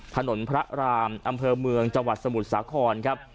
ถนนพระรามอำเภอเมืองจังหวัดสมุทรสาครครับ